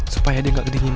supaya dia nggak kedinginan